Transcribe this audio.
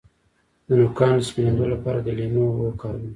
د نوکانو د سپینیدو لپاره د لیمو اوبه وکاروئ